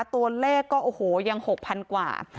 ตัวเลขก็โอ้โหยัง๖๐๐๐กว่า